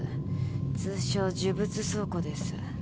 通称、呪物倉庫です。